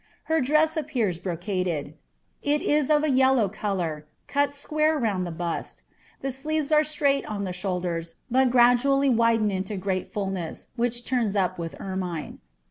Her dress appears brocaded : it Off a yellow colour, cut square round the bust ; the sleeves are straight I the shoulders, but gradually widen into great fulness, which turns up iUi ermine.